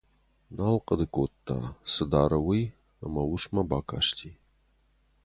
Нал хъуыды кодта, цы дары, уый, ӕмӕ усмӕ бакасти.